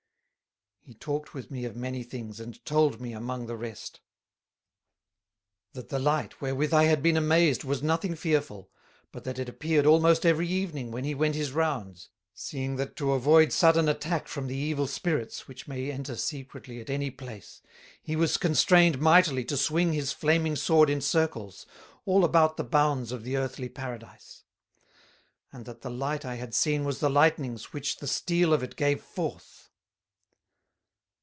He talked with me of many things, and told me among the rest: "That the light wherewith I had been amazed was nothing fearful, but that it appeared almost every evening when he went his rounds, seeing that to avoid sudden attack from the Evil Spirits, which may enter secretly at any place, he was constrained mightily to swing his Flaming Sword in circles, all about the bounds of the Earthly Paradise; and that the light I had seen was the lightnings which the steel of it gave forth.